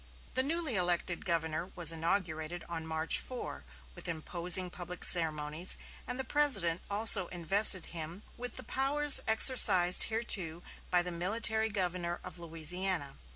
The newly elected governor was inaugurated on March 4, with imposing public ceremonies, and the President also invested him "with the powers exercised hitherto by the military governor of Louisiana."